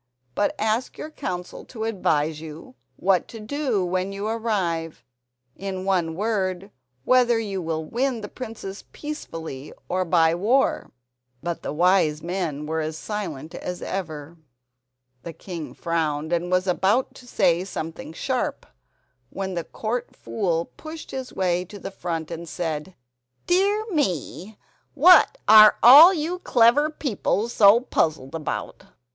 But ask your council to advise you what to do when you arrive—in one word, whether you will win the princess peacefully or by war?" But the wise men were as silent as ever. The king frowned, and was about to say something sharp, when the Court Fool pushed his way to the front and said: "Dear me, what are all you clever people so puzzled about?